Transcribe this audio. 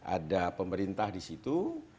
ada pemerintah di situ